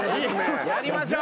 やりましょう。